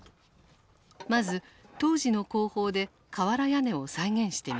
まず当時の工法で瓦屋根を再現してみた。